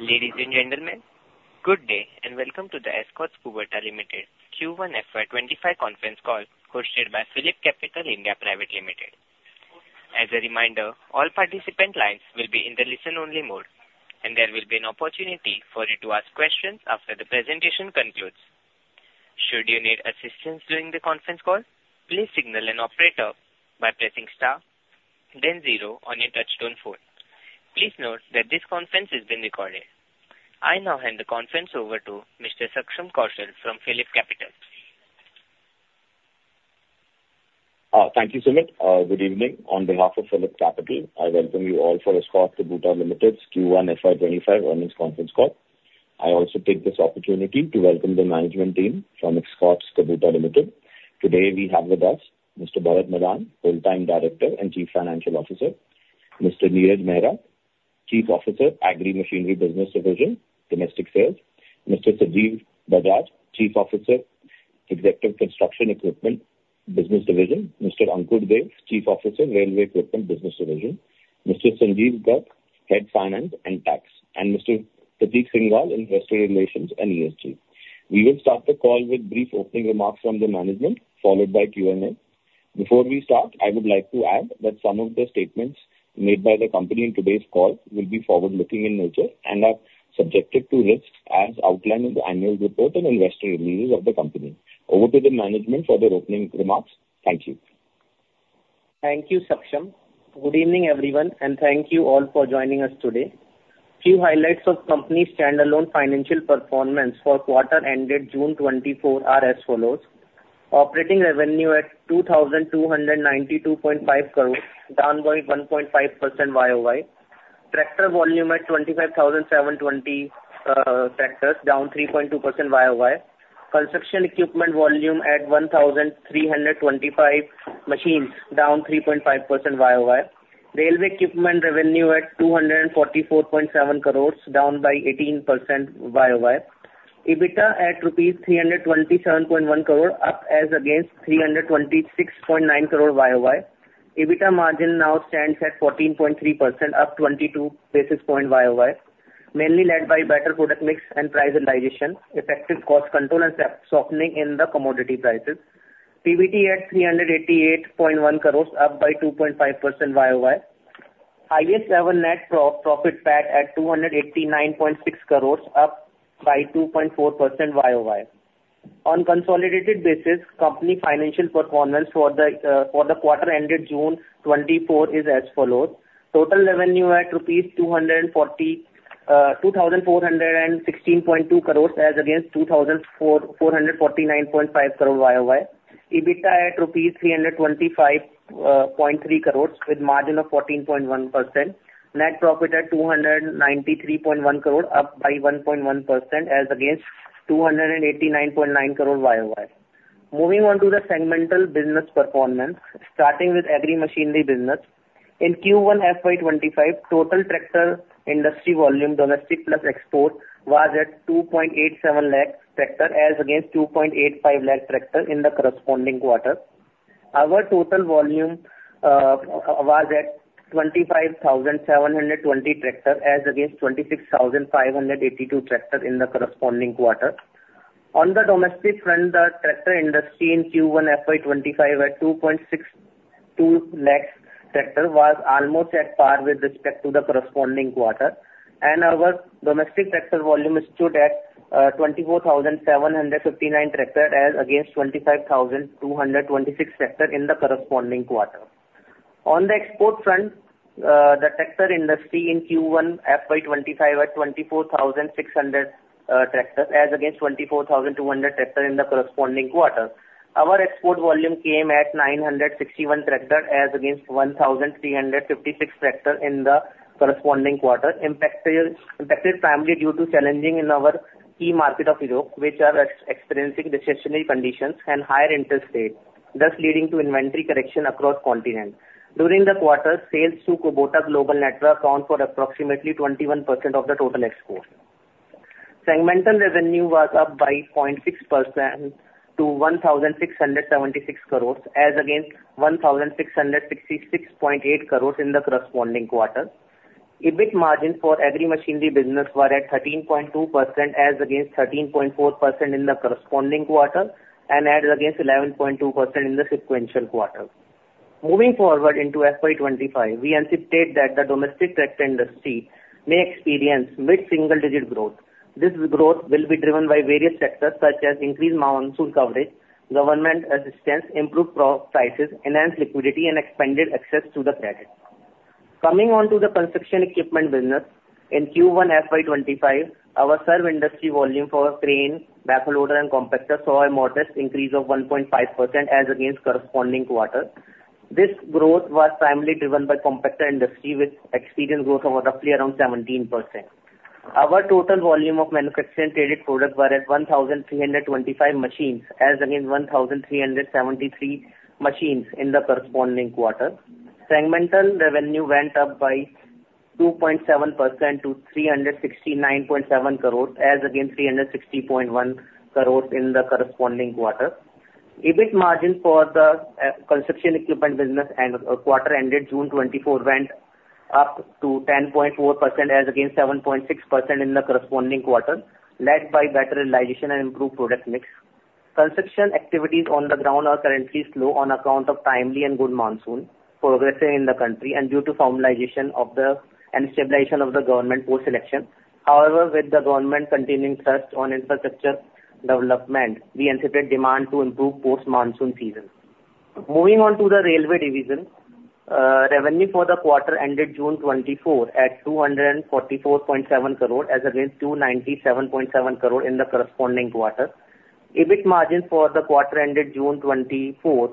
Ladies and gentlemen, good day, and welcome to the Escorts Kubota Limited Q1 FY 2025 conference call, hosted by PhillipCapital (India) Private Limited. As a reminder, all participant lines will be in the listen-only mode, and there will be an opportunity for you to ask questions after the presentation concludes. Should you need assistance during the conference call, please signal an operator by pressing star then zero on your touchtone phone. Please note that this conference is being recorded. I now hand the conference over to Mr. Saksham Kaushal from PhillipCapital. Thank you, Sumit. Good evening. On behalf of PhillipCapital, I welcome you all for Escorts Kubota Limited's Q1 FY25 earnings conference call. I also take this opportunity to welcome the management team from Escorts Kubota Limited. Today, we have with us Mr. Bharat Madan, Full-Time Director and Chief Financial Officer; Mr. Neeraj Mehra, Chief Officer, Agri Machinery Business Division, Domestic Sales; Mr. Sanjeev Bajaj, Chief Officer, Executive Construction Equipment Business Division; Mr. Ankur Dev, Chief Officer, Railway Equipment Business Division; Mr. Sanjeev Gupta, Head Finance and Tax; and Mr. Prateek Singhal, Investor Relations and ESG. We will start the call with brief opening remarks from the management, followed by Q&A. Before we start, I would like to add that some of the statements made by the company in today's call will be forward-looking in nature and are subjected to risks as outlined in the annual report and investor releases of the company. Over to the management for their opening remarks. Thank you. Thank you, Saksham. Good evening, everyone, and thank you all for joining us today. Few highlights of company's standalone financial performance for quarter ended June 2024 are as follows: operating revenue at 2,292.5 crore, down by 1.5% YOY. Tractor volume at 25,720 tractors, down 3.2% YOY. Construction equipment volume at 1,325 machines, down 3.5% YOY. Railway equipment revenue at INR 244.7 crore, down by 18% YOY. EBITDA at INR 327.1 crore, up as against INR 326.9 crore YOY. EBITDA margin now stands at 14.3%, up 22 basis points YOY, mainly led by better product mix and price realization, effective cost control, and softening in the commodity prices. PBT at 388.1 crore, up by 2.5% YOY. Highest ever net profit PAT at 289.6 crore, up by 2.4% YOY. On consolidated basis, company financial performance for the quarter ended June 2024 is as follows: total revenue at 2,416.2 crore as against 2,449.5 crore YOY. EBITDA at rupees 325.3 crore with margin of 14.1%. Net profit at 293.1 crore, up by 1.1% as against 289.9 crore YOY. Moving on to the segmental business performance, starting with agri machinery business. In Q1 FY 2025, total tractor industry volume, domestic plus export, was at 2.87 lakh tractor as against 2.85 lakh tractor in the corresponding quarter. Our total volume was at 25,720 tractor as against 26,582 tractor in the corresponding quarter. On the domestic front, the tractor industry in Q1 FY 2025 at 2.62 lakh tractor was almost at par with respect to the corresponding quarter, and our domestic tractor volume stood at 24,759 tractor as against 25,226 tractor in the corresponding quarter. On the export front, the tractor industry in Q1 FY 2025 at 24,600 tractors as against 24,200 tractor in the corresponding quarter. Our export volume came at 961 tractors as against 1,356 tractors in the corresponding quarter, impacted primarily due to challenges in our key market of Europe, which are experiencing recessionary conditions and higher interest rates, thus leading to inventory correction across continents. During the quarter, sales through Kubota Global Network account for approximately 21% of the total export. Segmental revenue was up by 0.6% to 1,676 crore, as against 1,666.8 crore in the corresponding quarter. EBIT margin for agri machinery business were at 13.2% as against 13.4% in the corresponding quarter, and as against 11.2% in the sequential quarter. Moving forward into FY 2025, we anticipate that the domestic tractor industry may experience mid-single-digit growth. This growth will be driven by various sectors, such as increased monsoon coverage, government assistance, improved crop prices, enhanced liquidity, and expanded access to the credit. Coming on to the construction equipment business, in Q1 FY2025, our CE industry volume for crane, backhoe loader, and compactor saw a modest increase of 1.5% as against corresponding quarter. This growth was primarily driven by compactor industry, which experienced growth of roughly around 17%. Our total volume of manufactured and traded products were at 1,325 machines, as against 1,373 machines in the corresponding quarter. Segmental revenue went up by 2.7% to 369.7 crore, as against 360.1 crore in the corresponding quarter. ... EBIT margin for the construction equipment business and quarter ended June 2024 went up to 10.4% as against 7.6% in the corresponding quarter, led by better realization and improved product mix. Construction activities on the ground are currently slow on account of timely and good monsoon progressing in the country, and due to formalization of and stabilization of the government post-election. However, with the government continuing thrust on infrastructure development, we anticipate demand to improve post-monsoon season. Moving on to the railway division, revenue for the quarter ended June 2024 at 244.7 crore as against 297.7 crore in the corresponding quarter. EBITDA margin for the quarter ended June 2024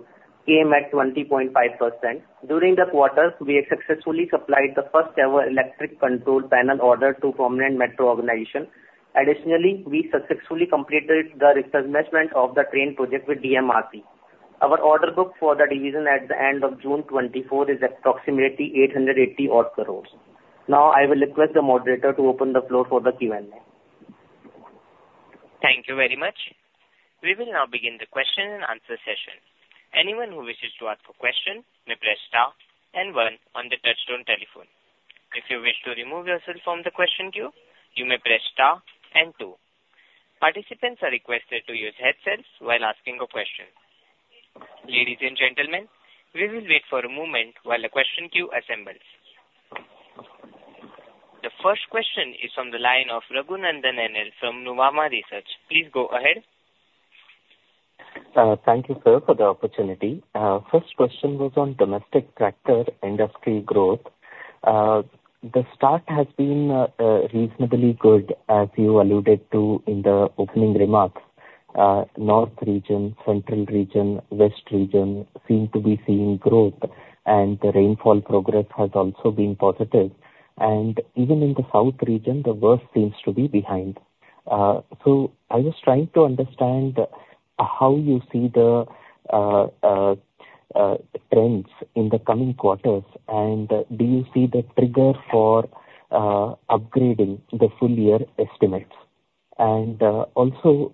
came at 20.5%. During the quarter, we have successfully supplied the first ever electric control panel order to prominent metro organization. Additionally, we successfully completed the refurbishment of the train project with DMRC. Our order book for the division at the end of June 2024 is approximately 880-odd crore. Now, I will request the moderator to open the floor for the Q&A. Thank you very much. We will now begin the question and answer session. Anyone who wishes to ask a question may press star and one on the touchtone telephone. If you wish to remove yourself from the question queue, you may press star and two. Participants are requested to use headsets while asking a question. Ladies and gentlemen, we will wait for a moment while the question queue assembles. The first question is from the line of Raghunandan N.L. from Nuvama Research. Please go ahead. Thank you, sir, for the opportunity. First question was on domestic tractor industry growth. The start has been reasonably good, as you alluded to in the opening remarks. North region, Central region, West region seem to be seeing growth, and the rainfall progress has also been positive. Even in the South region, the worst seems to be behind. So I was trying to understand how you see the trends in the coming quarters, and do you see the trigger for upgrading the full-year estimates? Also,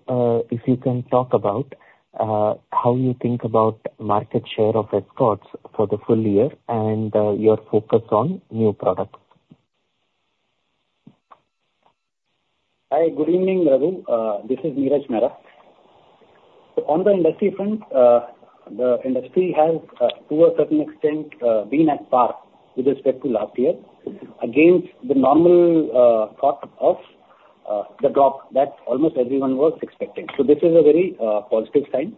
if you can talk about how you think about market share of Escorts for the full-year and your focus on new products. Hi, good evening, Raghu. This is Neeraj Mehra. On the industry front, the industry has, to a certain extent, been at par with respect to last year, against the normal thought of the drop that almost everyone was expecting. So this is a very positive sign.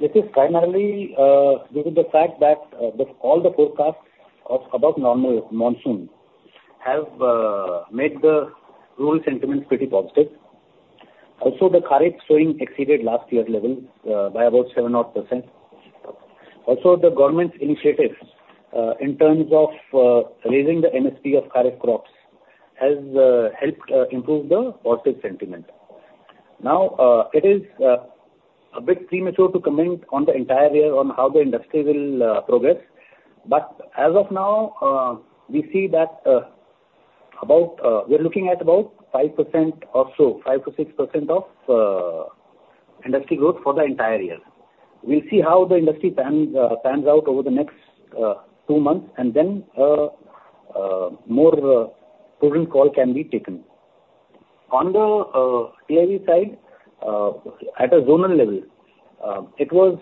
This is primarily due to the fact that all the forecasts of about normal monsoon have made the rural sentiments pretty positive. Also, the kharif sowing exceeded last year's level by about 7 odd %. Also, the government's initiatives in terms of raising the MSP of kharif crops has helped improve the positive sentiment. Now, it is a bit premature to comment on the entire year on how the industry will progress, but as of now, we see that, about, we're looking at about 5% or so, 5%-6% of industry growth for the entire year. We'll see how the industry pans out over the next two months, and then more prudent call can be taken. On the CLE side, at a zonal level, it was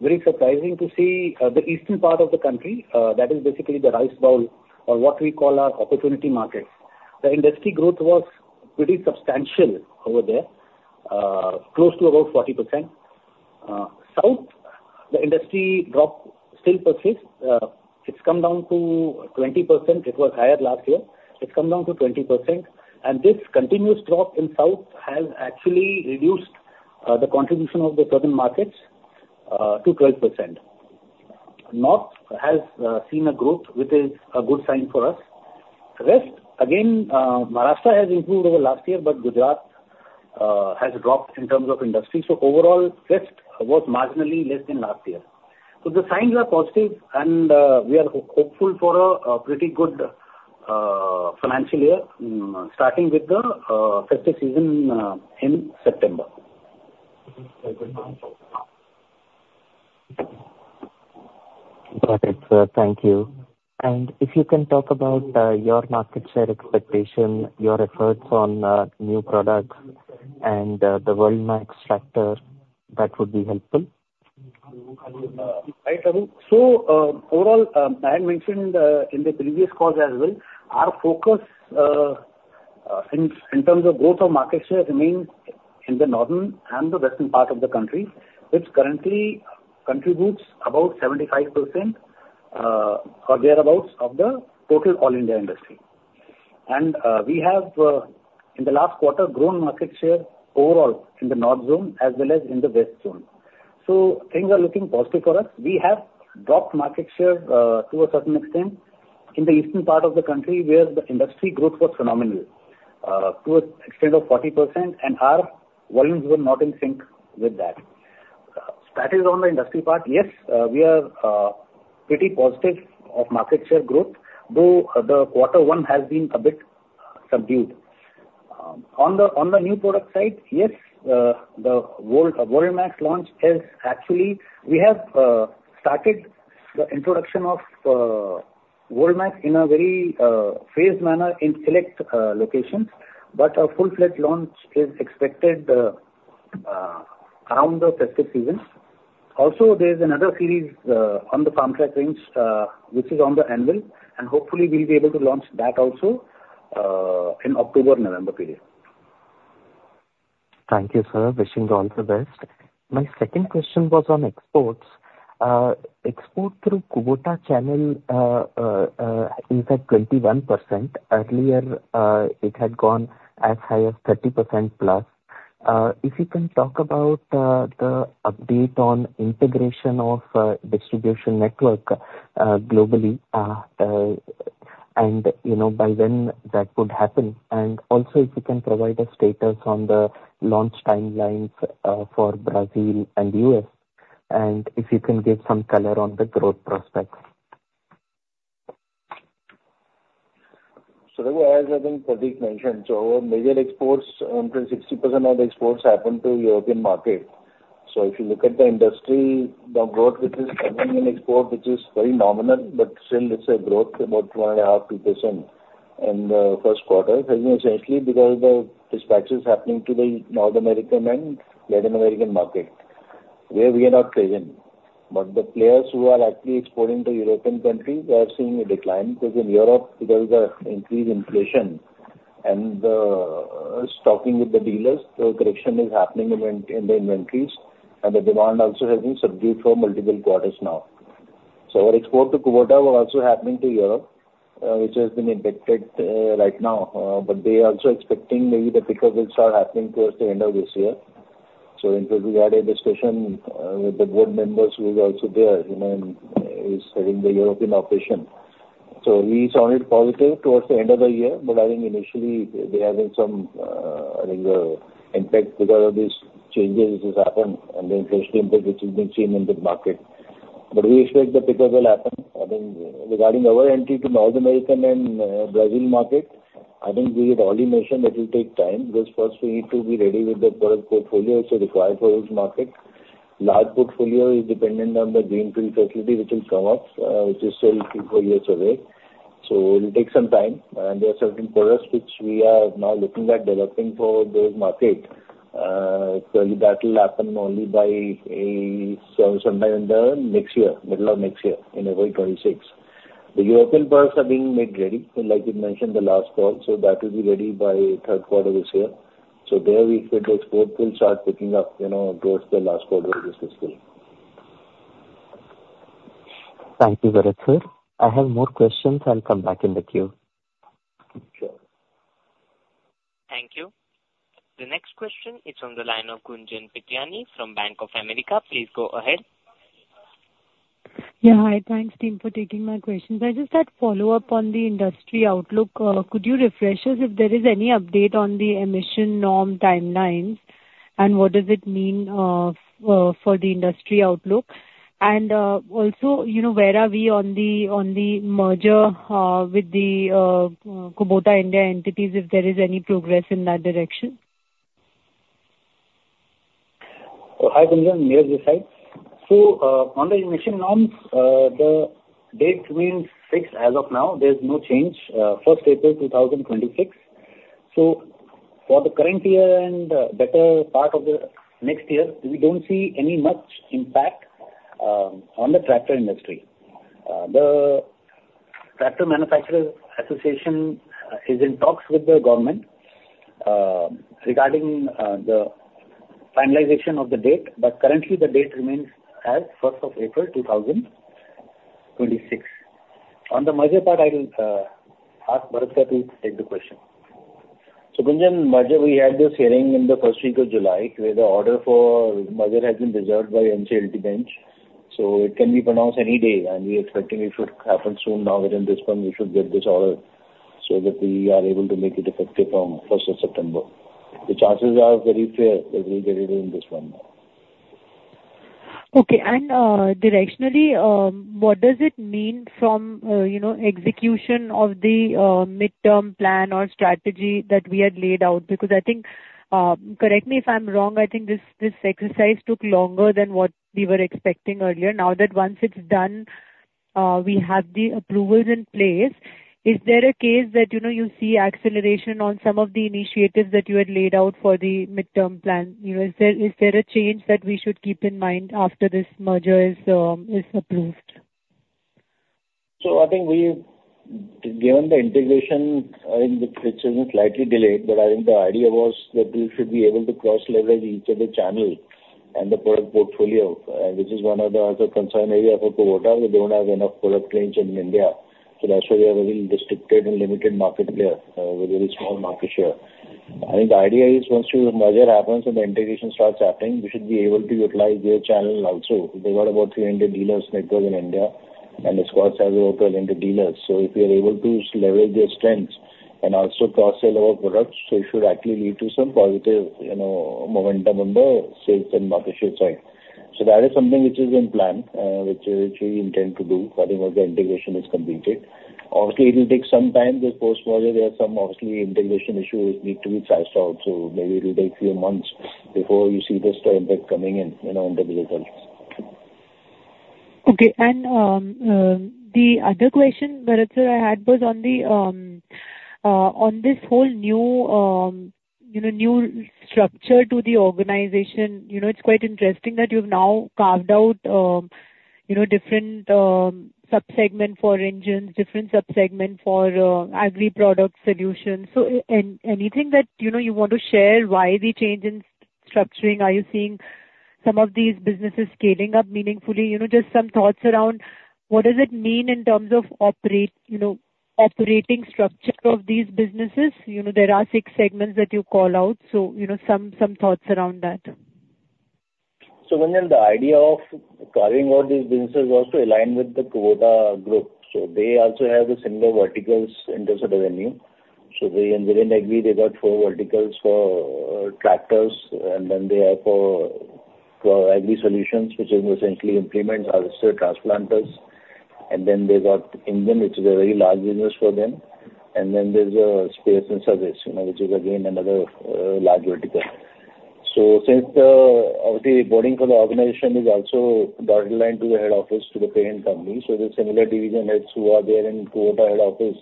very surprising to see the eastern part of the country that is basically the rice bowl or what we call our opportunity market. The industry growth was pretty substantial over there, close to about 40%. South, the industry drop still persists. It's come down to 20%. It was higher last year. It's come down to 20%, and this continuous drop in South has actually reduced the contribution of the southern markets to 12%. North has seen a growth, which is a good sign for us. West, again, Maharashtra has improved over last year, but Gujarat has dropped in terms of industry. So overall, West was marginally less than last year. So the signs are positive, and we are hopeful for a pretty good financial year starting with the festive season in September. Got it, sir. Thank you. If you can talk about your market share expectation, your efforts on new products and the WorldMax tractor, that would be helpful. Hi, Raghu. So, overall, I had mentioned in the previous calls as well, our focus in terms of growth of market share remains in the northern and the western part of the country, which currently contributes about 75% or thereabout of the total all India industry. We have in the last quarter grown market share overall in the North zone as well as in the West zone. So things are looking positive for us. We have dropped market share to a certain extent in the eastern part of the country, where the industry growth was phenomenal to an extent of 40%, and our volumes were not in sync with that. That is on the industry part. Yes, we are pretty positive of market share growth, though the quarter one has been a bit subdued. On the new product side, yes, the WorldMax launch is actually, we have started the introduction of WorldMax in a very phased manner in select locations, but our full-fledged launch is expected around the festive season. Also, there's another series on the farm tractor range, which is on the anvil, and hopefully we'll be able to launch that also in October-November period. Thank you, sir. Wishing you all the best. My second question was on exports. Export through Kubota channel is at 21%. Earlier, it had gone as high as 30% plus. If you can talk about the update on integration of distribution network globally, and, you know, by when that would happen. Also, if you can provide a status on the launch timelines for Brazil and U.S., and if you can give some color on the growth prospects. So as I think Prateek mentioned, so our major exports, 60% of the exports happen to the European market. So if you look at the industry, the growth, which is happening in export, which is very nominal, but still it's a growth, about 1.5%-2% in the first quarter, has been essentially because the dispatches happening to the North American and Latin American market, where we are not present. But the players who are actually exporting to European countries are seeing a decline, because in Europe there is an increased inflation and, stocking with the dealers. So correction is happening in the inventories, and the demand also has been subdued for multiple quarters now. So our export to Kubota were also happening to Europe, which has been impacted, right now. But they are also expecting maybe the pickup will start happening towards the end of this year. So in fact, we had a discussion with the board members who is also there, you know, and is heading the European operation. So we sounded positive towards the end of the year, but I think initially there has been some, I think, impact because of these changes which has happened and the inflation impact which has been seen in the market. But we expect the pickup will happen. I think regarding our entry to North American and Brazilian market, I think we had already mentioned it will take time, because first we need to be ready with the product portfolio it's required for each market. Large portfolio is dependent on the greenfield facility, which will come up, which is still three-four years away. So it will take some time. There are certain products which we are now looking at developing for those market. So that will happen only by a, sometime in the next year, middle of next year, in April 2026. The European products are being made ready, like we mentioned the last call, so that will be ready by third quarter this year. So there we expect export will start picking up, you know, towards the last quarter of this fiscal. Thank you, Bharat sir. I have more questions. I'll come back in the queue. Sure. Thank you. The next question is on the line of Gunjan Prithyani from Bank of America. Please go ahead. Yeah. Hi. Thanks, team, for taking my questions. I just had follow-up on the industry outlook. Could you refresh us if there is any update on the emission norm timelines, and what does it mean for the industry outlook? And also, you know, where are we on the merger with the Kubota India entities, if there is any progress in that direction? Hi, Gunjan. Neeraj this side. So, on the emission norms, the date remains fixed as of now. There's no change, first April 2026. So for the current year and better part of the next year, we don't see any much impact on the tractor industry. The Tractor Manufacturer Association is in talks with the government regarding the finalization of the date, but currently the date remains as first of April 2026. On the merger part, I will ask Bharat sir to take the question. So, Gunjan, merger, we had this hearing in the first week of July, where the order for merger has been reserved by NCLT bench, so it can be pronounced any day, and we are expecting it should happen soon. Now, within this one, we should get this order so that we are able to make it effective from first of September. The chances are very fair that we'll get it in this one now. Okay. And, directionally, what does it mean from, you know, execution of the mid-term plan or strategy that we had laid out? Because I think, correct me if I'm wrong, I think this, this exercise took longer than what we were expecting earlier. Now that once it's done, we have the approvals in place, is there a case that, you know, you see acceleration on some of the initiatives that you had laid out for the mid-term plan? You know, is there, is there a change that we should keep in mind after this merger is, is approved? So I think we've given the integration, which has been slightly delayed, but I think the idea was that we should be able to cross-leverage each other's channel and the product portfolio, which is one of the other concern area of Kubota. We don't have enough product range in India, so that's why we are very restricted and limited market player with a very small market share. I think the idea is once the merger happens and the integration starts happening, we should be able to utilize their channel also. They've got about 300 dealers network in India, and Escorts has about 1,200 dealers. So if we are able to leverage their strengths and also cross-sell our products, so it should actually lead to some positive, you know, momentum on the sales and market share side. So that is something which is in plan, which we intend to do, once the integration is completed. Obviously, it will take some time because post-merger there are some obviously integration issues which need to be fleshed out, so maybe it will take few months before you see this impact coming in, you know, in the results. Okay. And, the other question, Bharat sir, I had was on the, on this whole new, you know, new structure to the organization. You know, it's quite interesting that you've now carved out, you know, different, sub-segment for engines, different sub-segment for, Agri-product solutions. So anything that, you know, you want to share why the change in structuring? Are you seeing some of these businesses scaling up meaningfully? You know, just some thoughts around what does it mean in terms of operating structure of these businesses. You know, there are six segments that you call out, so, you know, some thoughts around that. So, Gunjan, the idea of carving out these businesses was to align with the Kubota group. So they also have the similar verticals in terms of revenue. So within Agri, they got four verticals for tractors, and then they have for Agri-solutions, which is essentially implements, harvesters, transplanters, and then they got engine, which is a very large business for them. And then there's spares and service, you know, which is again, another large vertical. So since the obviously reporting for the organization is also dotted line to the head office, to the parent company, so the similar division heads who are there in Kubota head office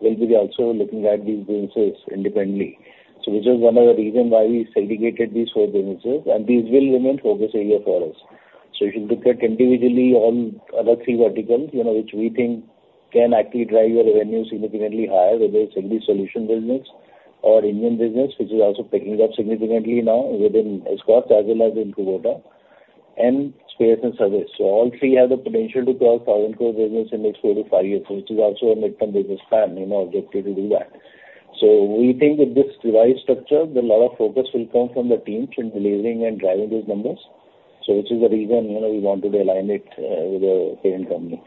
will be also looking at these businesses independently. So this is one of the reason why we segregated these four businesses, and these will remain focus area for us. So if you look at individually on other three verticals, you know, which we think can actually drive our revenue significantly higher, whether it's in the solution business or engine business, which is also picking up significantly now within Escorts as well as in Kubota, and spares and service. So all three have the potential to cross 1,000 crore business in next four-five years, which is also a mid-term business plan, you know, objective to do that. So we think with this revised structure, the lot of focus will come from the teams in delivering and driving those numbers. So this is the reason, you know, we wanted to align it with the parent company.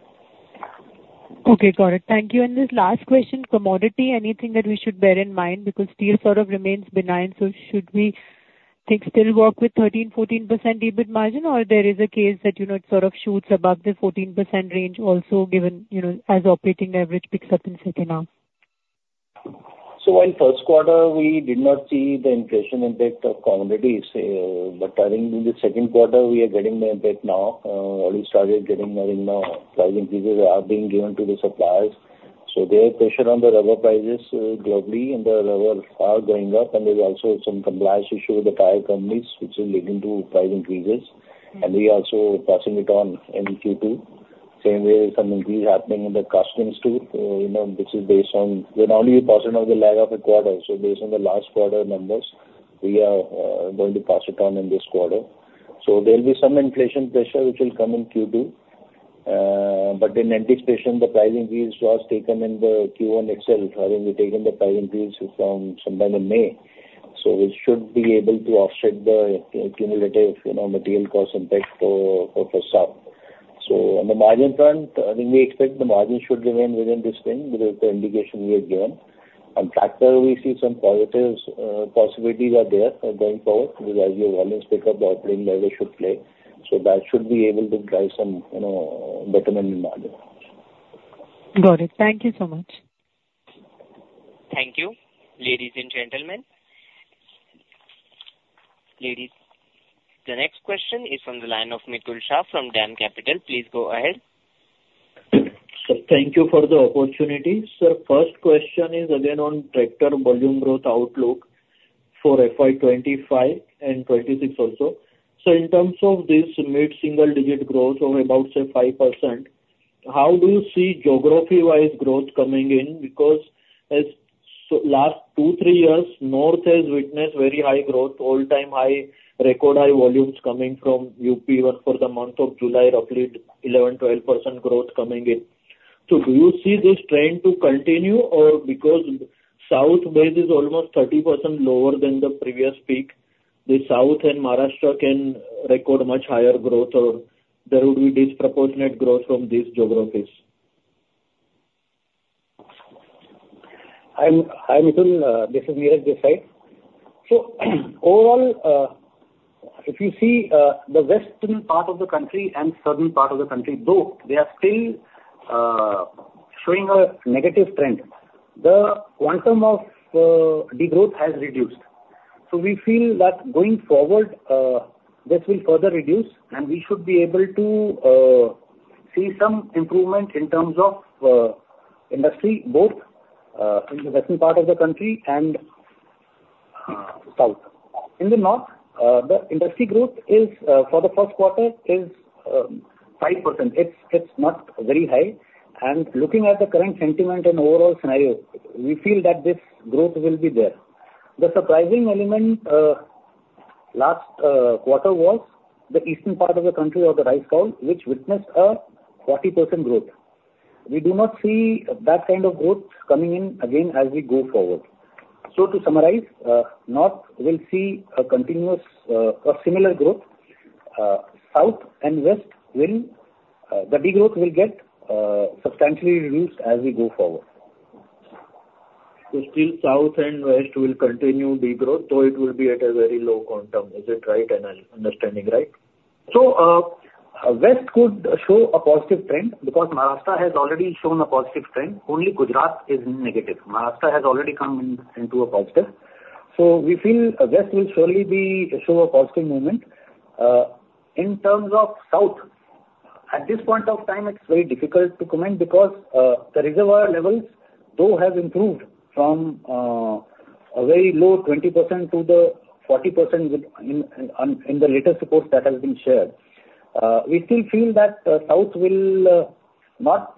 Okay, got it. Thank you. And this last question, commodity, anything that we should bear in mind? Because steel sort of remains benign, so should we think still work with 13%-14% EBITDA margin, or there is a case that, you know, it sort of shoots above the 14% range also, given, you know, as operating average picks up in second half? So in first quarter, we did not see the inflation impact of commodities, but I think in the second quarter, we are getting the impact now. Already started getting, you know, price increases are being given to the suppliers. So there is pressure on the rubber prices, globally, and the rubber are going up, and there's also some compliance issue with the tire companies, which is leading to price increases, and we are also passing it on in Q2. Same way, some increase happening in the customs, too. You know, this is based on, we're normally a portion of the lag of a quarter, so based on the last quarter numbers, we are going to pass it on in this quarter. So there'll be some inflation pressure, which will come in Q2. But in anticipation, the pricing increase was taken in the Q1 itself, having taken the pricing increase from sometime in May. So we should be able to offset the, cumulative, you know, material cost impact for some. So on the margin front, I think we expect the margin should remain within this range, with the indication we have given. On tractor, we see some positives, possibilities are there, going forward, because as your volumes pick up, the operating leverage should play. So that should be able to drive some, you know, better margin. Got it. Thank you so much. Thank you, ladies and gentlemen. Ladies, the next question is from the line of Mitul Shah from DAM Capital. Please go ahead. Sir, thank you for the opportunity. Sir, first question is again on tractor volume growth outlook for FY 2025 and 2026 also. So in terms of this mid-single-digit growth of about, say, 5%, how do you see geography-wise growth coming in? Because as so last two-three years, north has witnessed very high growth, all-time high, record high volumes coming from UP, where for the month of July, roughly 11%-12% growth coming in. So do you see this trend to continue? Or because south base is almost 30% lower than the previous peak, the south and Maharashtra can record much higher growth, or there will be disproportionate growth from these geographies. Hi, Mitul, this is Neeraj Mehra. So overall, if you see, the western part of the country and southern part of the country, both, they are still showing a negative trend. The quantum of degrowth has reduced. So we feel that going forward, this will further reduce, and we should be able to see some improvement in terms of industry, both in the western part of the country and south. In the north, the industry growth is for the first quarter 5%. It's not very high, and looking at the current sentiment and overall scenario, we feel that this growth will be there. The surprising element last quarter was the eastern part of the country or the rice bowl, which witnessed a 40% growth. We do not see that kind of growth coming in again as we go forward. To summarize, North will see a continuous, or similar growth. South and West will, the degrowth will get, substantially reduced as we go forward.... so still South and West will continue de-growth, though it will be at a very low quantum. Is it right? Am I understanding right? So, West could show a positive trend because Maharashtra has already shown a positive trend. Only Gujarat is negative. Maharashtra has already come in, into a positive. So we feel West will surely be, show a positive movement. In terms of South, at this point of time, it's very difficult to comment because, the reservoir levels, though have improved from, a very low 20% to the 40% with in the latest report that has been shared. We still feel that, South will, not,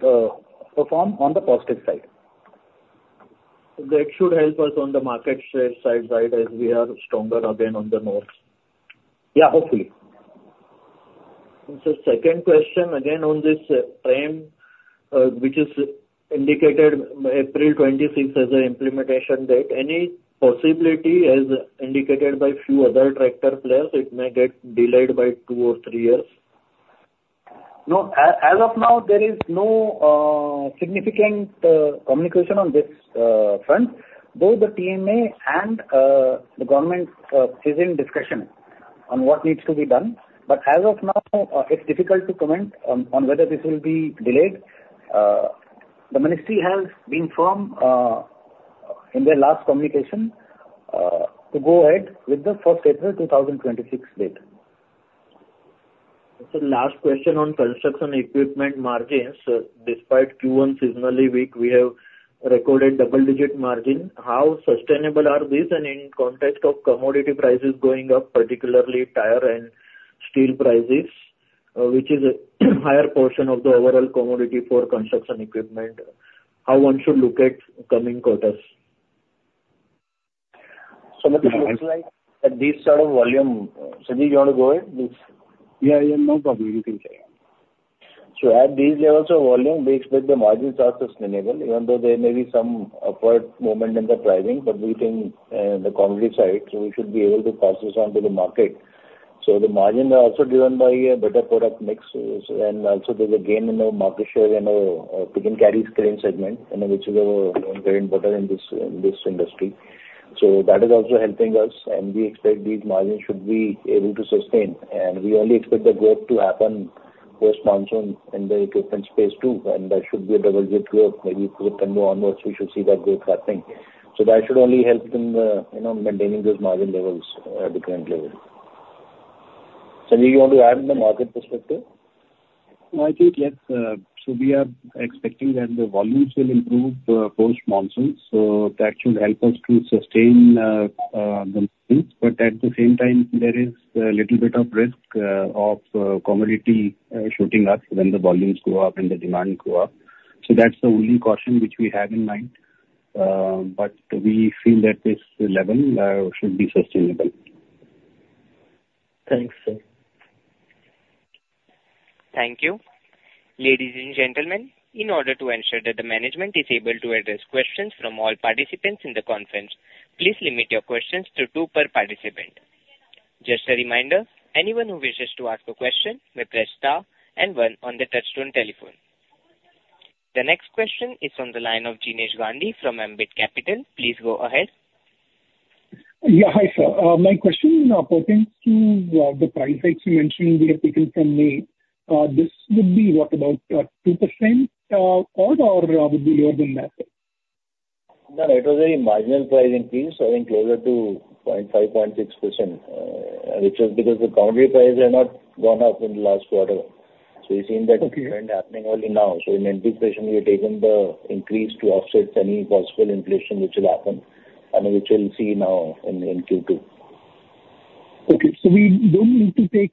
perform on the positive side. That should help us on the market share side, right, as we are stronger again on the North. Yeah, hopefully. Second question, again, on this frame, which is indicated April 26th as a implementation date. Any possibility, as indicated by few other tractor players, it may get delayed by two or three years? No. As of now, there is no significant communication on this front. Both the TMA and the government are still in discussion on what needs to be done. But as of now, it's difficult to comment on whether this will be delayed. The ministry has been firm in their last communication to go ahead with the first April 2026 date. So last question on construction equipment margins. Despite Q1 seasonally weak, we have recorded double-digit margin. How sustainable are these? And in context of commodity prices going up, particularly tire and steel prices, which is a higher portion of the overall commodity for construction equipment, how one should look at coming quarters? It looks like that these sort of volume... Sanjeev, you want to go ahead, please? Yeah, yeah. No problem. You can say. So at these levels of volume, we expect the margins are sustainable, even though there may be some upward movement in the pricing. But we think the commodity side, so we should be able to pass this on to the market. So the margins are also driven by a better product mix, and also there's a gain in the market share in our pick-and-carry crane segment, you know, which is very important in this industry. So that is also helping us, and we expect these margins should be able to sustain. And we only expect the growth to happen post-monsoon in the equipment spares, too, and that should be a double-digit growth. Maybe October onwards, we should see that growth happening. So that should only help in, you know, maintaining those margin levels at the current level. Sanjeev, you want to add the market perspective? I think, yes. So we are expecting that the volumes will improve, post-monsoon, so that should help us to sustain the growth. But at the same time, there is a little bit of risk of commodity shooting up when the volumes go up and the demand go up. So that's the only caution which we have in mind, but we feel that this level should be sustainable. Thanks, sir. Thank you. Ladies and gentlemen, in order to ensure that the management is able to address questions from all participants in the conference, please limit your questions to two per participant. Just a reminder, anyone who wishes to ask a question may press star and one on the touchtone telephone. The next question is on the line of Jinesh Gandhi from Ambit Capital. Please go ahead. Yeah, hi, sir. My question pertains to the price hike you mentioned we have taken from May. This would be, what, about 2%, or, or would be lower than that? No, it was a marginal price increase, I think closer to 0.5%-0.6%, which was because the commodity prices have not gone up in the last quarter. So we've seen that- Okay. -trend happening only now. So in anticipation, we have taken the increase to offset any possible inflation which will happen and which we'll see now in Q2. Okay. So we don't need to take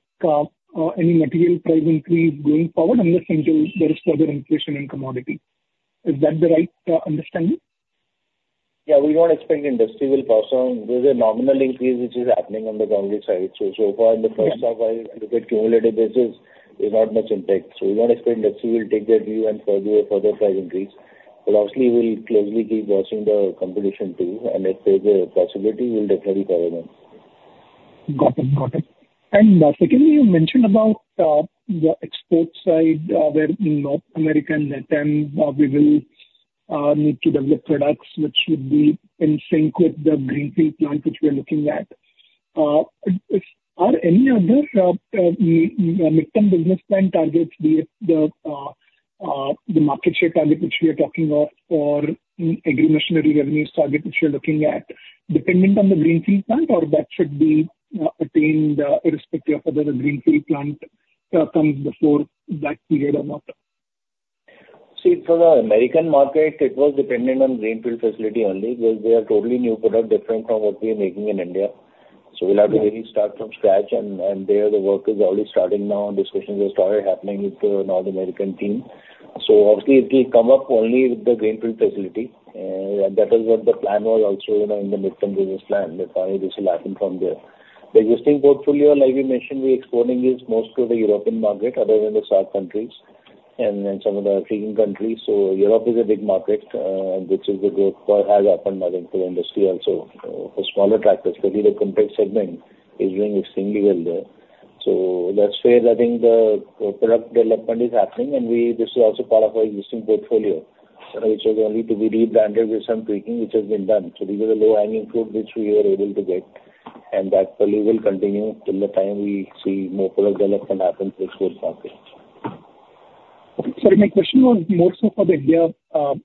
any material price increase going forward, unless until there is further inflation in commodity. Is that the right understanding? Yeah, we don't expect industry will pass on. There's a nominal increase which is happening on the commodity side. So, so far in the first half, I look at cumulative basis, there's not much impact. So we don't expect that we will take that view and further, further price increase. But obviously, we'll closely keep watching the competition, too, and if there's a possibility, we'll definitely cover them. Got it. Got it. And, secondly, you mentioned about the export side, where in North America, mid-term, we will need to develop products which would be in sync with the greenfield plant which we are looking at. Are any other mid-term business plan targets be it the market share target, which we are talking of, or agri-machinery revenues target, which you're looking at, dependent on the greenfield plant, or that should be attained irrespective of whether the greenfield plant comes before that period or not? See, for the American market, it was dependent on greenfield facility only, because they are totally new product, different from what we are making in India. So we'll have to really start from scratch, and there, the work is already starting now. Discussions have started happening with the North American team. So obviously it will come up only with the greenfield facility, and that is what the plan was also, you know, in the mid-term business plan, that only this will happen from there. The existing portfolio, like we mentioned, we exporting is mostly to the European market other than the SAARC countries and some of the African countries. So Europe is a big market, which is the growth for have happened I think for the industry also. For smaller tractors, particularly the compact segment is doing extremely well there. So that's where I think the product development is happening, and this is also part of our existing portfolio, which was only to be rebranded with some tweaking, which has been done. So these are the low-hanging fruit which we are able to get, and that probably will continue till the time we see more product development happen for this growth market. Okay. Sorry, my question was more so for the India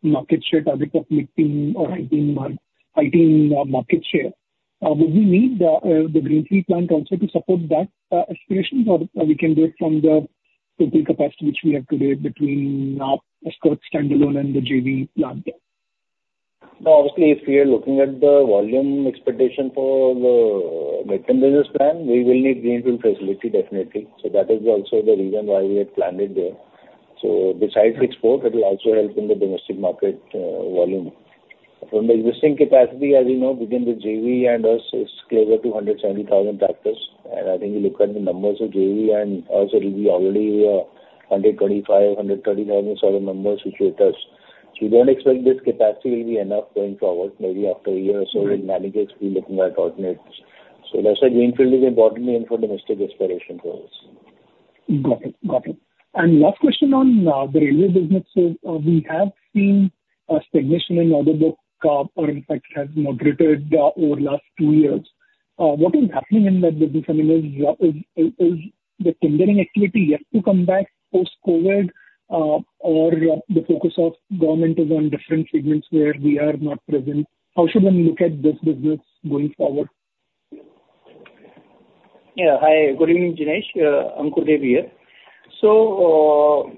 market share, target of mid-teen or high-teen market share. Would we need the greenfield plant also to support that aspiration, or, or we can do it from the total capacity which we have today between our Escorts standalone and the JV plant there? No, obviously, if we are looking at the volume expectation for the mid-term business plan, we will need greenfield facility, definitely. So that is also the reason why we had planned it there. So besides export, it will also help in the domestic market, volume. From the existing capacity, as you know, between the JV and us, it's closer to 170,000 tractors. And I think you look at the numbers of JV and us, it will be already, 125,000-130,000 solid numbers with us. So we don't expect this capacity will be enough going forward, maybe after a year or so, we'll manage it, be looking at alternates. So that's why greenfield is important aim for domestic aspiration for us. Got it. Got it. And last question on the railway business is, we have seen a stagnation in order book, or in fact, has moderated, over the last two years. What is happening in that business? I mean, is the tendering activity yet to come back post-COVID, or the focus of government is on different segments where we are not present? How should one look at this business going forward? Yeah. Hi, good evening, Jinesh. Ankur Dev here. So,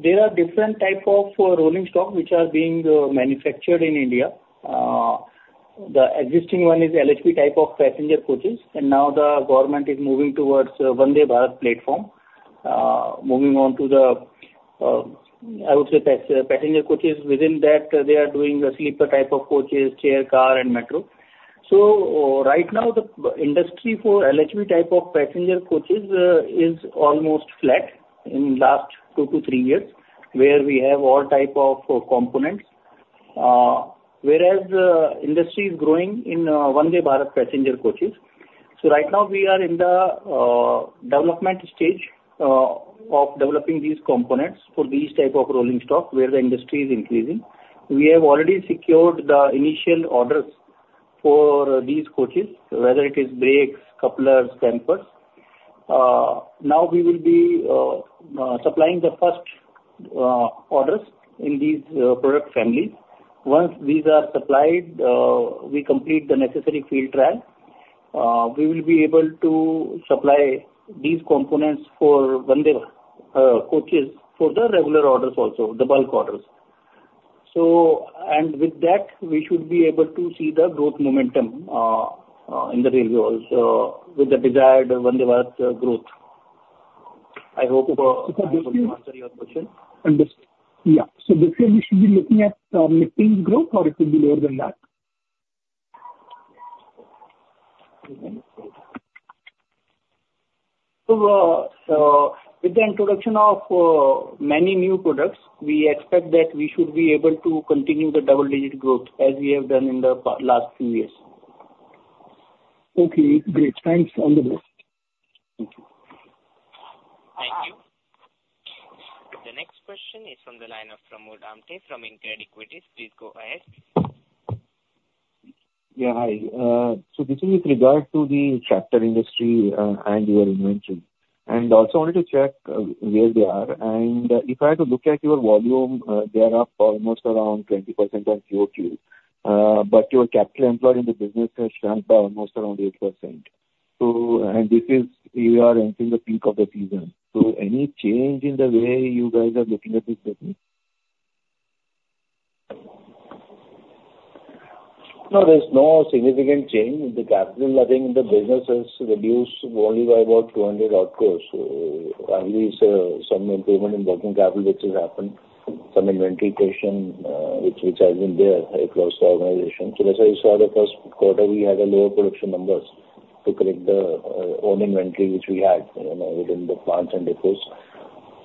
there are different type of rolling stock which are being manufactured in India. The existing one is LHB type of passenger coaches, and now the government is moving towards Vande Bharat platform. Moving on to the, I would say, passenger coaches, within that, they are doing the sleeper type of coaches, chair car, and metro. So, right now, the industry for LHB type of passenger coaches is almost flat in last two-three years, where we have all type of components, whereas the industry is growing in Vande Bharat passenger coaches. So right now we are in the development stage of developing these components for these type of rolling stock, where the industry is increasing. We have already secured the initial orders for these coaches, whether it is brakes, couplers, dampers. Now we will be supplying the first orders in these product family. Once these are supplied, we complete the necessary field trial, we will be able to supply these components for Vande Bharat coaches for the regular orders also, the bulk orders. So, and with that, we should be able to see the growth momentum in the railway also, with the desired Vande Bharat growth. I hope I was able to answer your question. Yeah. So this year we should be looking at mid-teen growth or it will be lower than that? With the introduction of many new products, we expect that we should be able to continue the double-digit growth as we have done in the last few years. Okay, great. Thanks. All the best. Thank you. Thank you. The next question is from the line of Pramod Amte from InCred Equities. Please go ahead. Yeah, hi. So this is with regard to the tractor industry, and your invention. And also wanted to check where they are. And if I had to look at your volume, they are up almost around 20% on QOQ. But your capital employed in the business has shrunk by almost around 8%. So, and this is, you are entering the peak of the season. So any change in the way you guys are looking at this business? No, there's no significant change. The capital, I think, in the business has reduced only by about 200 crore. Finally, some improvement in working capital, which has happened, some inventory question, which has been there across the organization. As I saw the first quarter, we had lower production numbers to correct the own inventory, which we had, you know, within the plants and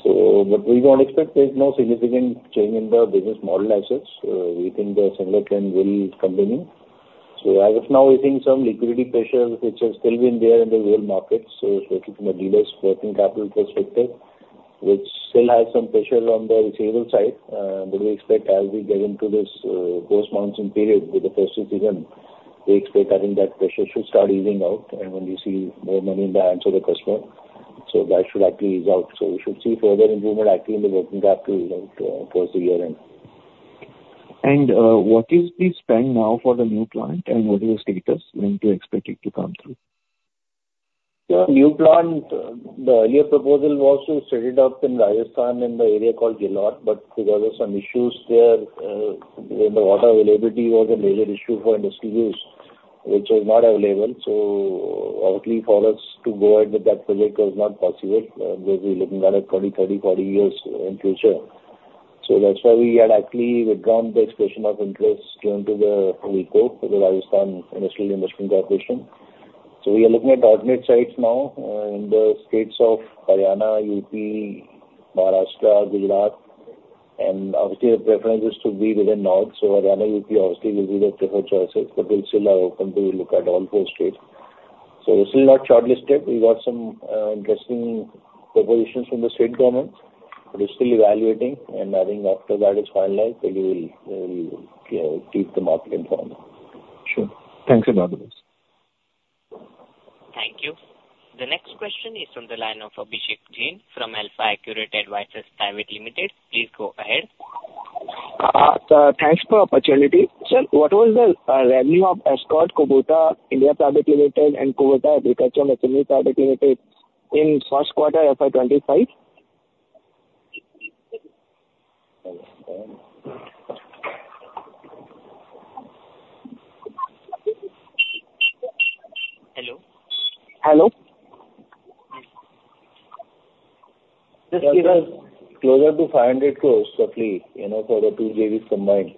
depots. We don't expect there's any significant change in the business model as such. We think the similar trend will continue. As of now, we're seeing some liquidity pressures which have still been there in the whole market, especially from a dealers' working capital perspective, which still has some pressure on the receivable side. But we expect as we get into this post-monsoon period with the festive season, we expect, I think, that pressure should start easing out and when we see more money in the hands of the customer. So that should actually ease out. So we should see further improvement actually in the working capital towards the year-end. What is the spend now for the new plant, and what is the status? When do you expect it to come through? The new plant, the earlier proposal was to set it up in Rajasthan in the area called Jalore, but because of some issues there, where the water availability was a major issue for industry use, which was not available. So obviously for us to go ahead with that project was not possible, because we're looking at it 20, 30, 40 years in future. So that's why we had actually withdrawn the expression of interest tender to the RIICO, the Rajasthan Industrial Investment Corporation. So we are looking at alternate sites now, in the states of Haryana, UP, Maharashtra, Gujarat... and obviously, our preference is to be within North, so Haryana would be, obviously, will be the preferred choices, but we'll still are open to look at all four states. So we're still not shortlisted. We got some interesting propositions from the state government. We're still evaluating, and I think after that is finalized, then we will keep the market informed. Sure. Thanks a lot. Thank you. The next question is from the line of Abhishek Jain from AlfAccurate Advisors Private Limited. Please go ahead. Sir, thanks for opportunity. Sir, what was the revenue of Escorts Kubota India Private Limited and Kubota Agricultural Machinery Private Limited in first quarter FY 2025? Hello? Hello. Closer to 500 crore, roughly, you know, for the two JVs combined.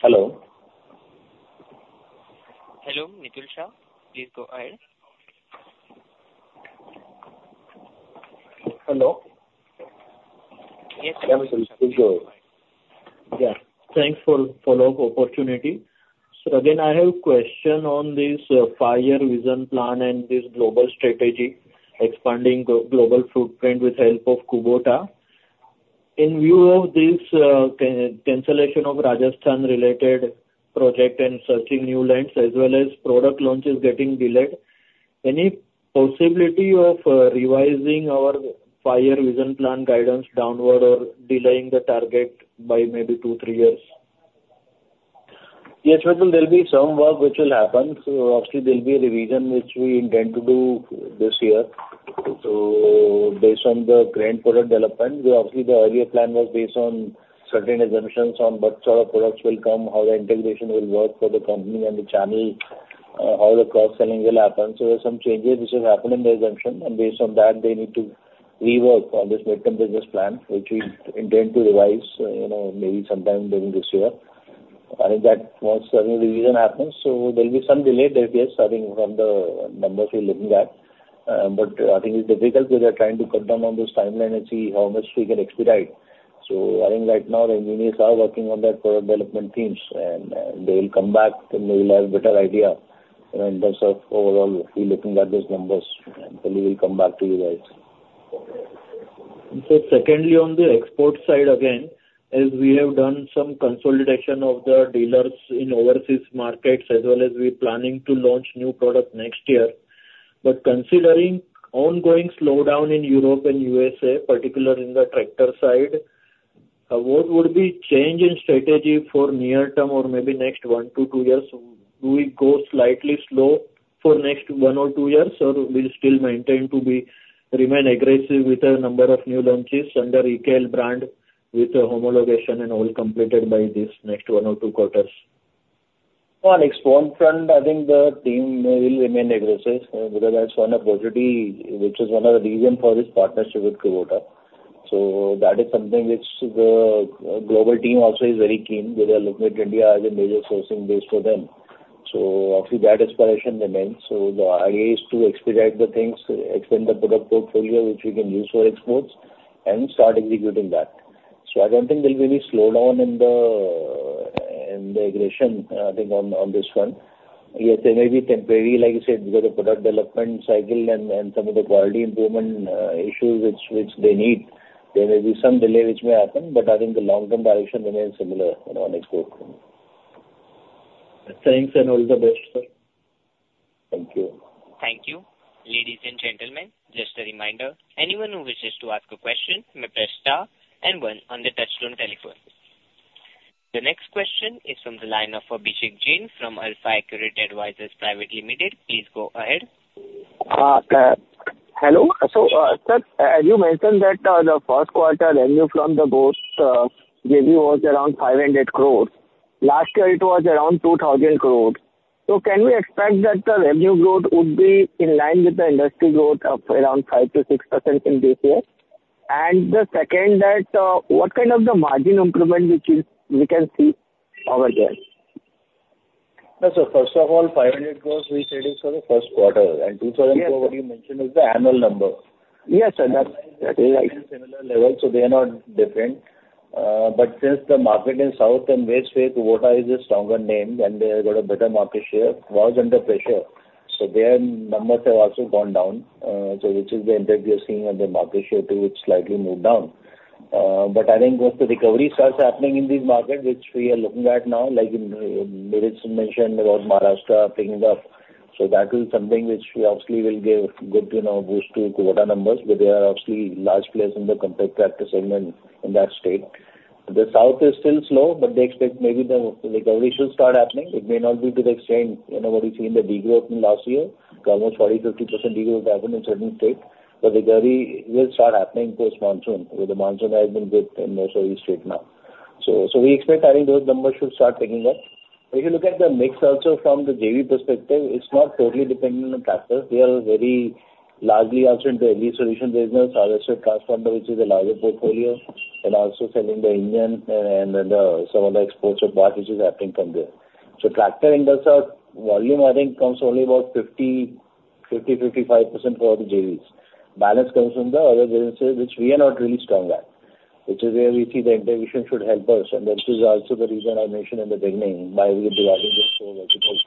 Hello? Hello, Mitul Shah, please go ahead. Hello. Yes. Yeah, please go ahead. Yeah. Thanks for the opportunity. So again, I have a question on this five-year vision plan and this global strategy, expanding global footprint with the help of Kubota. In view of this, cancellation of Rajasthan related project and searching new lands as well as product launches getting delayed, any possibility of revising our five-year vision plan guidance downward or delaying the target by maybe two-three years? Yes, Mitul, there will be some work which will happen, so obviously there will be a revision which we intend to do this year. So based on the current product development, obviously, the earlier plan was based on certain assumptions on what sort of products will come, how the integration will work for the company and the channel, how the cross-selling will happen. So there are some changes which have happened in the assumption, and based on that, they need to rework on this mid-term business plan, which we intend to revise, you know, maybe sometime during this year. I think that once certain revision happens, so there will be some delay there, yes, I think from the numbers we're looking at. But I think it's difficult because we are trying to cut down on this timeline and see how much we can expedite. I think right now the engineers are working on that product development teams, and they will come back and we will have a better idea, you know, in terms of overall we looking at these numbers, and then we will come back to you guys. So secondly, on the export side, again, as we have done some consolidation of the dealers in overseas markets, as well as we're planning to launch new product next year, but considering ongoing slowdown in Europe and U.S.A., particular in the tractor side, what would be change in strategy for near term or maybe next one to two years? Do we go slightly slow for next one or two years, or we'll still maintain to be remain aggressive with a number of new launches under retail brand, with the homologation and all completed by this next one or two quarters? On export front, I think the team will remain aggressive, because that's one opportunity, which is one of the reason for this partnership with Kubota. So that is something which the global team also is very keen. They are looking at India as a major sourcing base for them. So obviously, that aspiration remains. So the idea is to expedite the things, expand the product portfolio, which we can use for exports, and start executing that. So I don't think there will be any slowdown in the aggression, I think on this front. Yes, there may be temporarily, like I said, because of product development cycle and some of the quality improvement issues which they need. There may be some delay which may happen, but I think the long-term direction remains similar, you know, on export. Thanks and all the best, sir. Thank you. Thank you. Ladies and gentlemen, just a reminder, anyone who wishes to ask a question may press star and one on their touchtone telephone. The next question is from the line of Abhishek Jain from AlfAccurate Advisors Private Limited. Please go ahead. Hello. So, sir, as you mentioned that, the first quarter revenue from the Kubota, maybe was around 500 crore. Last year, it was around 2,000 crore. So can we expect that the revenue growth would be in line with the industry growth of around 5% to 6% in this year? And the second, that, what kind of the margin improvement which is- we can see over there? No, so first of all, 500 crore, we said is for the first quarter, and 2,000 crore- Yes. What you mentioned is the annual number. Yes, and that- Similar level, so they are not different. But since the market in South and West, where Kubota is a stronger name, and they have got a better market share, was under pressure. So their numbers have also gone down, so which is the impact we are seeing on their market share, too, it's slightly moved down. But I think once the recovery starts happening in these markets, which we are looking at now, like in Mitul mentioned about Maharashtra picking up, so that is something which we obviously will give good, you know, boost to Kubota numbers, but they are obviously large players in the compact tractor segment in that state. The South is still slow, but they expect maybe the recovery should start happening. It may not be to the extent, you know, what we've seen in the de-growth in last year, because almost 40%-50% de-growth happened in certain states. But recovery will start happening post-monsoon, where the monsoon has been good in most of these states now. So we expect I think those numbers should start picking up... If you look at the mix also from the JV perspective, it's not totally dependent on tractors. We are very largely also into AG solution business, agriculture transformer, which is a larger portfolio, and also selling the engine and the some of the exports of parts which is happening from there. So tractor industry volume, I think, comes only about 50%-55% for the JVs. Balance comes from the other businesses which we are not really strong at, which is where we see the integration should help us, and this is also the reason I mentioned in the beginning, why we are dividing it so much because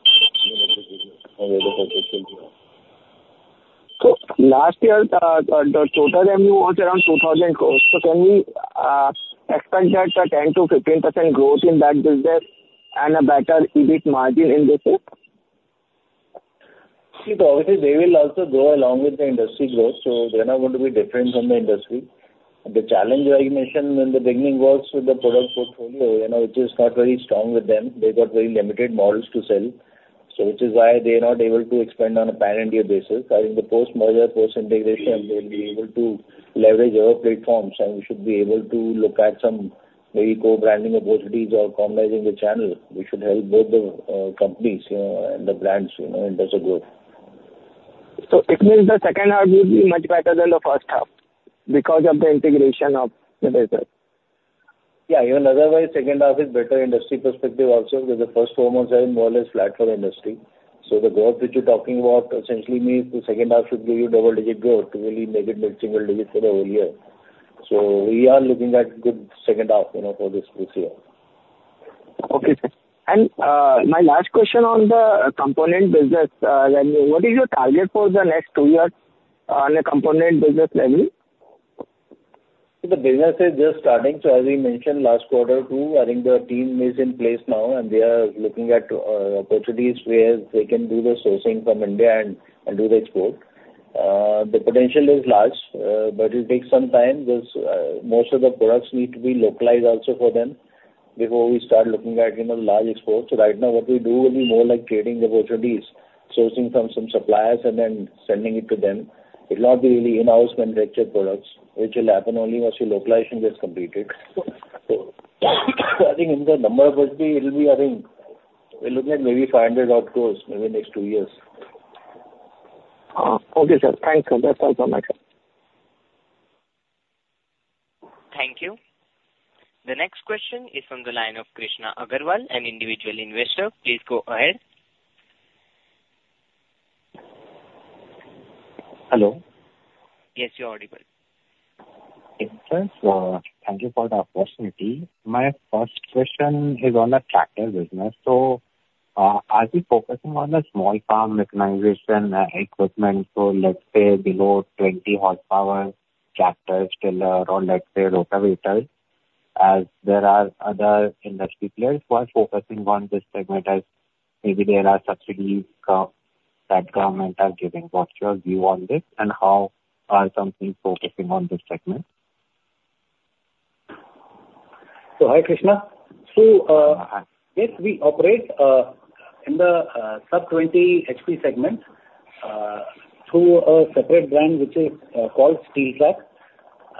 So last year, the total revenue was around 2,000 crore. So can we expect that a 10% to 15% growth in that business and a better EBIT margin in this year? See, obviously, they will also grow along with the industry growth, so they're not going to be different from the industry. The challenge I mentioned in the beginning was with the product portfolio, you know, which is not very strong with them. They've got very limited models to sell, so which is why they're not able to expand on a pan-India basis. I think the post-merger, post-integration, they'll be able to leverage our platforms, and we should be able to look at some very co-branding opportunities or combining the channel. We should help both the companies, you know, and the brands, you know, in terms of growth. It means the second half will be much better than the first half because of the integration of the business? Yeah, even otherwise, second half is better industry perspective also, because the first four months are more or less flat for the industry. So the growth which you're talking about essentially means the second half should give you double-digit growth, really negative double-digit for the whole year. So we are looking at good second half, you know, for this year. Okay, sir. My last question on the component business, then what is your target for the next two years on a component business level? The business is just starting, so as we mentioned last quarter too, I think the team is in place now, and they are looking at opportunities where they can do the sourcing from India and do the export. The potential is large, but it takes some time because most of the products need to be localized also for them before we start looking at, you know, large exports. So right now, what we do will be more like creating the opportunities, sourcing from some suppliers and then sending it to them. It'll not be really in-house manufactured products, which will happen only once your localization gets completed. So I think in the number of it will be, it'll be, I think, we're looking at maybe 500 odd crore, maybe next two years. Okay, sir. Thanks, sir. That's all from my side. Thank you. The next question is from the line of Krishna Agarwal, an individual investor. Please go ahead. Hello. Yes, you're audible. Okay, sir. So thank you for the opportunity. My first question is on the tractor business. So, are we focusing on the small farm mechanization equipment, so let's say below 20 horsepower tractors, tiller or let's say rotavators, as there are other industry players who are focusing on this segment, as maybe there are subsidies that government are giving. What's your view on this, and how are company focusing on this segment? Hi, Krishna. Hi. Yes, we operate in the sub 20 HP segment through a separate brand, which is called Steeltrac,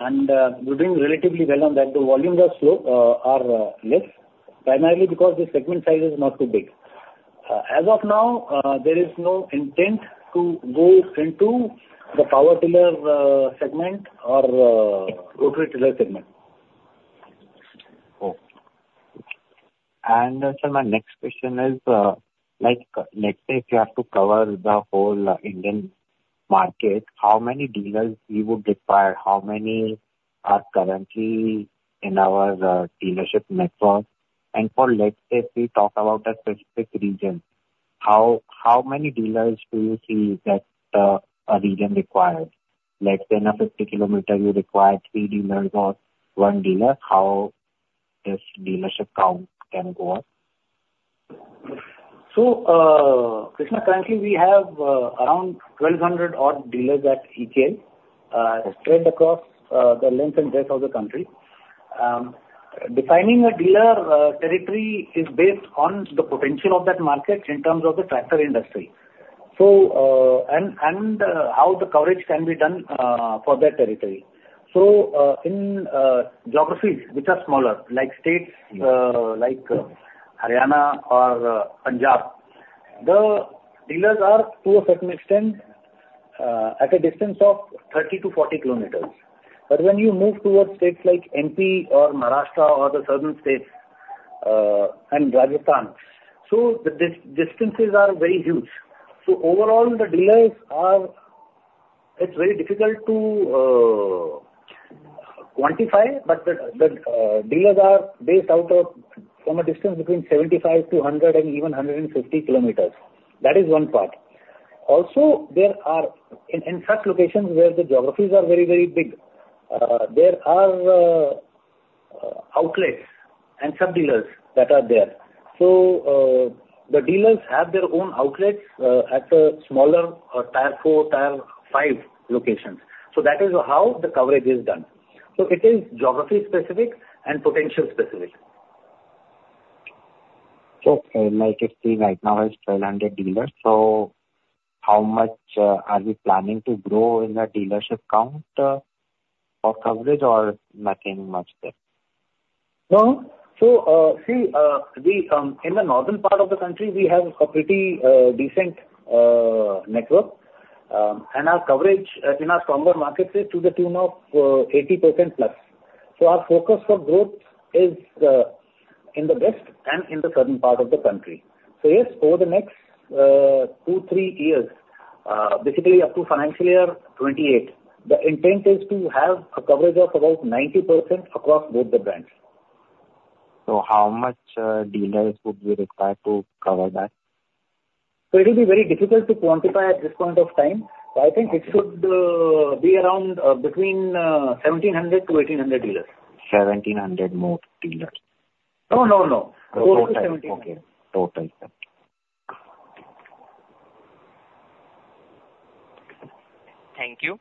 and we're doing relatively well on that. The volumes are less, primarily because the segment size is not too big. As of now, there is no intent to go into the power tiller segment or rotary tiller segment. Okay. Sir, my next question is, like, let's say if you have to cover the whole Indian market, how many dealers you would require? How many are currently in our dealership network? And for let's say if we talk about a specific region, how many dealers do you see that a region requires? Let's say in a 50 km, you require three dealers or one dealer, how this dealership count can go up? So, Krishna, currently we have around 1,200 odd dealers at [Eicher] spread across the length and breadth of the country. Defining a dealer territory is based on the potential of that market in terms of the tractor industry and how the coverage can be done for that territory. So, in geographies which are smaller, like states like Haryana or Punjab, the dealers are to a certain extent at a distance of 30 km-40 km. But when you move towards states like MP or Maharashtra or the southern states and Rajasthan, so the distances are very huge. So overall, the dealers are. It's very difficult to quantify, but the dealers are based out of from a distance between 75 km-100 km and even 150 km. That is one part. Also, there are in such locations where the geographies are very, very big, there are outlets and sub-dealers that are there. So, the dealers have their own outlets at the smaller or tier four, tier five locations. So that is how the coverage is done. So it is geography-specific and potential-specific. Okay. Like I see right now is 1,200 dealers, so how much are we planning to grow in the dealership count?... of coverage or not getting much there? No. So, see, we in the northern part of the country, we have a pretty decent network. And our coverage in our stronger markets is to the tune of 80%+. So our focus for growth is in the west and in the southern part of the country. So yes, over the next two-three years, basically up to financial year 2028, the intent is to have a coverage of about 90% across both the brands. How much dealers would be required to cover that? It will be very difficult to quantify at this point of time, but I think it should be around between 1,700-1,800 dealers. 1,700 more dealers. No, no, no. Total 17. Okay. Total, sir. Thank you.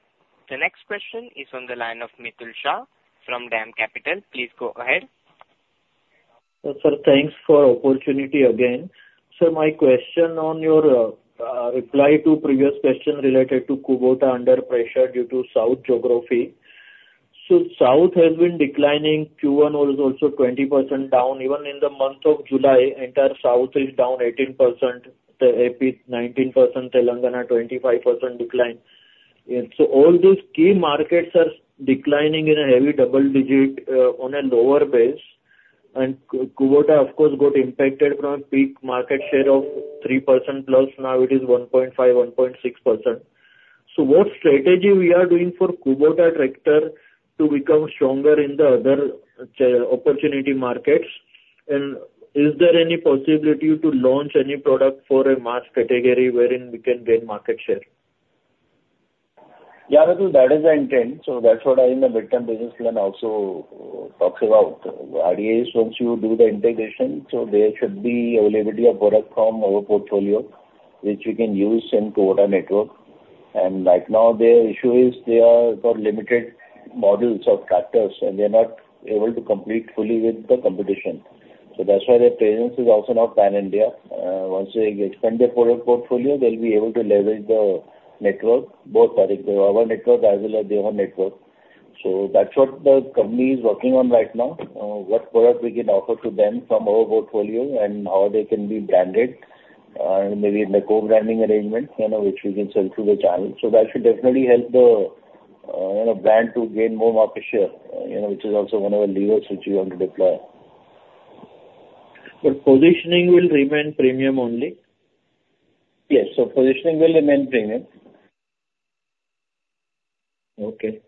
The next question is on the line of Mitul Shah from Dam Capital. Please go ahead. Sir, thanks for opportunity again. So my question on your reply to previous question related to Kubota under pressure due to south geography. So south has been declining, Q1 was also 20% down. Even in the month of July, entire south is down 18%, the AP 19%, Telangana 25% decline. And so all those key markets are declining in a heavy double-digit on a lower base. And Kubota, of course, got impacted from a peak market share of 3%+, now it is 1.5%-1.6%. So what strategy we are doing for Kubota Tractor to become stronger in the other opportunity markets? And is there any possibility to launch any product for a mass category wherein we can gain market share? Yeah, Mitul, that is the intent. So that's what I, in the mid-term business plan also talks about. The idea is once you do the integration, so there should be availability of product from our portfolio, which we can use in Kubota network. And right now, their issue is they are for limited models of tractors, and they're not able to compete fully with the competition. So that's why their presence is also now pan-India. Once they expand their product portfolio, they'll be able to leverage the network, both our network as well as their network. So that's what the company is working on right now, what product we can offer to them from our portfolio and how they can be branded, and maybe in a co-branding arrangement, you know, which we can sell through the channel. That should definitely help the, you know, brand to gain more market share, you know, which is also one of the levers which we want to deploy. But positioning will remain premium only? Yes. So positioning will remain premium. Okay.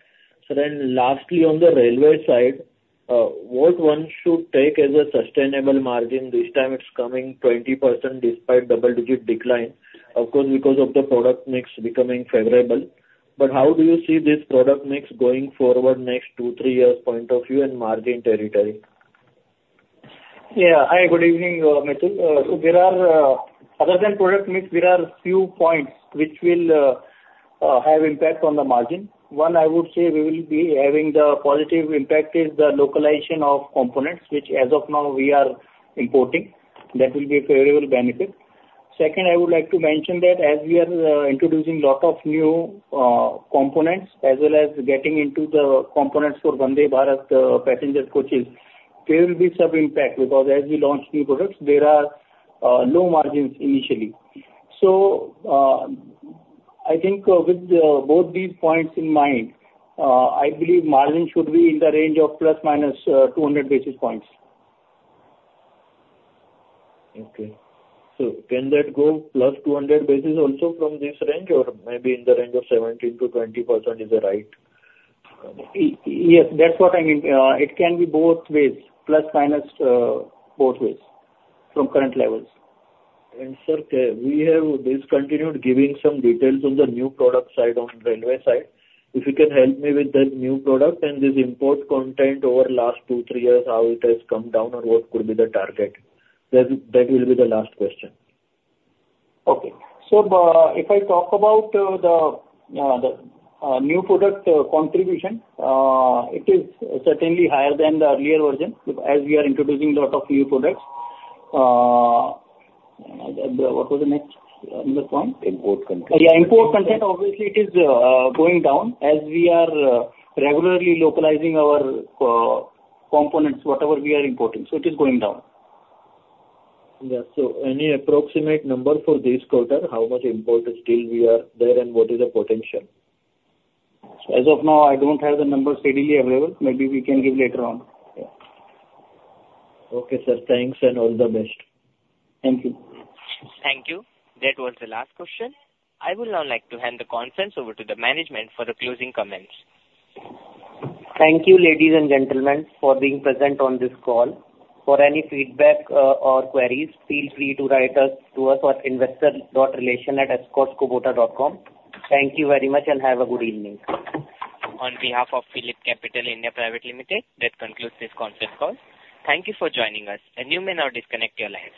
So then lastly, on the railway side, what one should take as a sustainable margin? This time it's coming 20% despite double-digit decline, of course, because of the product mix becoming favorable. But how do you see this product mix going forward next two-three years point of view and margin territory? Yeah. Hi, good evening, Mitul. There are, other than product mix, there are few points which will have impact on the margin. One, I would say we will be having the positive impact is the localization of components, which as of now we are importing. That will be a favorable benefit. Second, I would like to mention that as we are introducing lot of new components, as well as getting into the components for Vande Bharat passenger coaches, there will be some impact because as we launch new products, there are low margins initially. So, I think, with both these points in mind, I believe margin should be in the range of ±200 basis points. Okay. So can that go +200 basis also from this range, or maybe in the range of 17%-20% is the right? Yes, that's what I mean. It can be both ways, plus minus, both ways, from current levels. And sir, we have discontinued giving some details on the new product side, on railway side. If you can help me with the new product and this import content over last two-hree years, how it has come down or what could be the target? That, that will be the last question. Okay. So, if I talk about the new product contribution, it is certainly higher than the earlier version, as we are introducing a lot of new products. What was the next point? Import content. Yeah, import content, obviously it is going down as we are regularly localizing our components, whatever we are importing, so it is going down. Yeah. So any approximate number for this quarter, how much import is still we are there and what is the potential? As of now, I don't have the numbers readily available. Maybe we can give later on. Yeah. Okay, sir. Thanks, and all the best. Thank you. Thank you. That was the last question. I would now like to hand the conference over to the management for the closing comments. Thank you, ladies and gentlemen, for being present on this call. For any feedback, or queries, feel free to write us to us at investor.relations@escortskubota.com. Thank you very much, and have a good evening. On behalf of PhillipCapital (India) Private Limited, that concludes this conference call. Thank you for joining us, and you may now disconnect your lines.